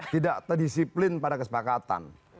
tidak terdisiplin pada kesepakatan